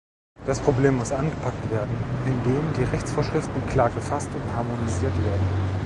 Das Problem muss angepackt werden, indem die Rechtsvorschriften klar gefasst und harmonisiert werden.